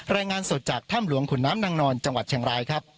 รายงานสดจากถ้ำหลวงขุนน้ำนางนอนจังหวัดเชียงรายครับ